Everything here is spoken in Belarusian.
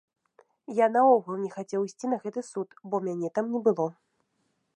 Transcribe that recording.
Я наогул не хацеў ісці на гэты суд, бо мяне там не было.